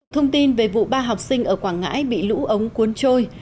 thông tin về vụ ba học sinh ở quảng ngãi bị lũ ống cuốn trôi